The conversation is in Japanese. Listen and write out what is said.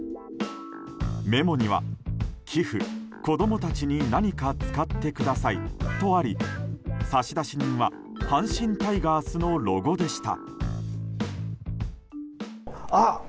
メモには「寄付、子供達に何か使ってください」とあり差出人は阪神タイガースのロゴでした。